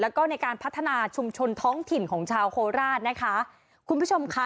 แล้วก็ในการพัฒนาชุมชนท้องถิ่นของชาวโคราชนะคะคุณผู้ชมค่ะ